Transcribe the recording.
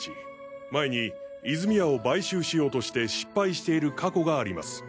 前に泉谷を買収しようとして失敗している過去があります。